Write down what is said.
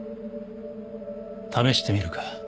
試してみるか？